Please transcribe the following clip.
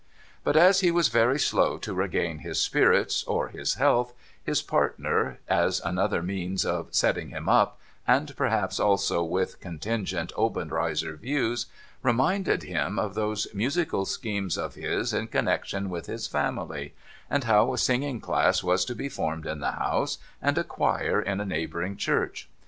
But, as he was very slow to regain his spirits or his health, his partner, as another means of setting him up — and perhaps also with contingent Obenreizer views — reminded him of those musical schemes of his in connection with his family, and how a singing class was to be formed in the house, and a Choir in a neighbouring church.